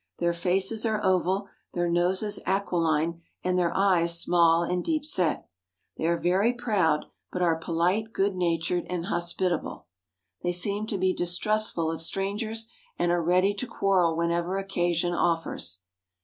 Their faces are oval, their noses aquiline, and their eyes small and deep set. They are very proud, but are polite, good natured, and hospitable. They seem to be distrustful of strangers and are ready to quarrel whenever occasion offers.